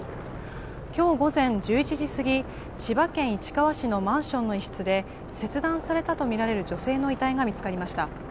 今日午前１１時過ぎ、千葉県市川市のマンションの一室で切断されたとみられる女性の遺体が見つかりました。